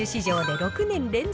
６年連続